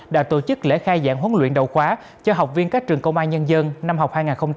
đã tổ chức lễ khai giảng huấn luyện đầu khóa cho học viên các trường công an nhân dân năm học hai nghìn hai mươi hai nghìn hai mươi năm